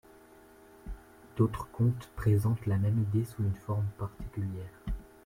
D'autres contes présentent la même idée sous une forme particulière.